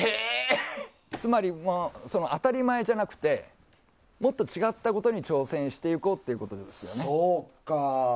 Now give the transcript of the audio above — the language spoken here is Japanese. つまり、当たり前じゃなくてもっと違ったことに挑戦していこうということですね。